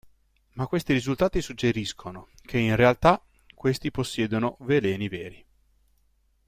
Ma questi risultati suggeriscono che in realtà questi possiedono veleni veri.